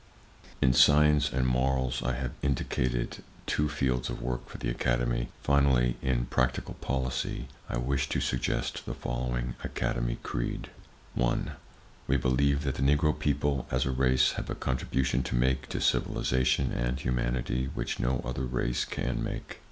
In science and morals, I have indicated two fields of work for the Academy. Finally, in practical policy, I wish to suggest the following Academy Creed: [Pg 15]1. We believe that the Negro people, as a race, have a contribution to make to civilization and humanity, which no other race can make.